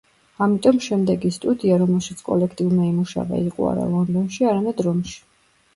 ამიტომ შემდეგი სტუდია, რომელშიც კოლექტივმა იმუშავა, იყო არა ლონდონში, არამედ რომში.